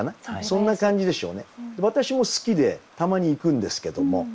私も好きでたまに行くんですけども。